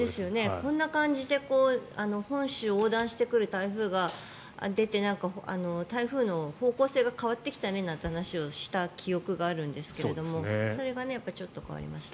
こんな感じで本州を横断してくる台風が出て台風の方向性が変わってきたねなんて話をした記憶があるんですがそれがちょっと変わりましたね。